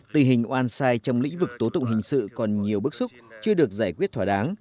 tình hình oan sai trong lĩnh vực tố tụng hình sự còn nhiều bức xúc chưa được giải quyết thỏa đáng